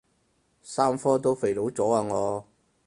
三科都肥佬咗啊我